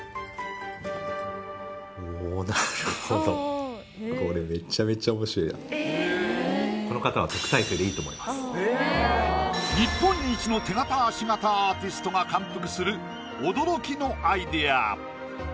おおこれこの方は日本一の手形足形アーティストが感服する驚きのアイディア。